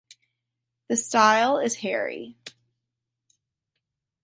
The style is hairy.